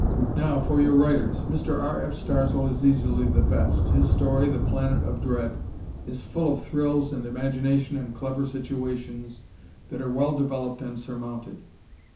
Now for your writers: Mr. R.F. Starzl is easily the best. His story, "The Planet of Dread," is full of thrills and imagination and clever situations that are well developed and surmounted.